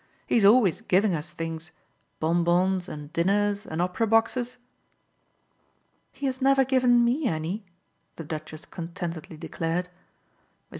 "He's always giving us things bonbons and dinners and opera boxes." "He has never given ME any," the Duchess contentedly declared. Mrs.